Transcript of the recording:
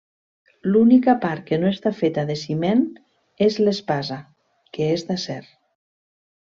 L'única part que no està feta de ciment és l'espasa, que és d'acer.